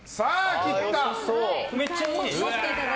切った！